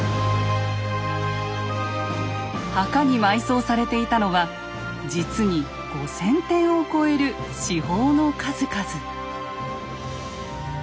墓に埋葬されていたのは実に５，０００点を超える至宝の数々。